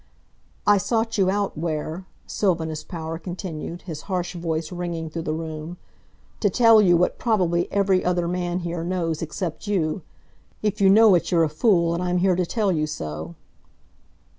"I sought you out, Ware," Sylvanus Power continued, his harsh voice ringing through the room, "to tell you what probably every other man here knows except you. If you know it you're a fool, and I'm here to tell you so."